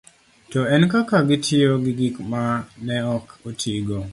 to en kaka gitiyo gi gik ma ne ok otigo.